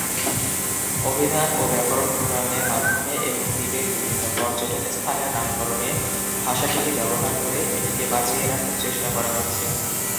অভিধান ও ব্যাকরণ প্রণয়নের মাধ্যমে এবং দ্বীপের বিভিন্ন পর্যটন স্থানের নামকরণে ভাষাটিকে ব্যবহার করে এটিকে বাঁচিয়ে রাখার চেষ্টা করা হচ্ছে।